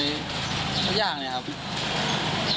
จัดยางเลยครับ